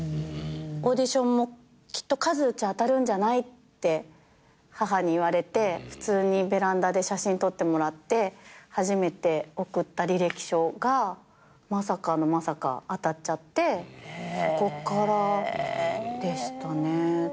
オーディションもきっと数打ちゃ当たるんじゃない？って母に言われて普通にベランダで写真撮ってもらって初めて送った履歴書がまさかのまさか当たっちゃってそこからでしたね。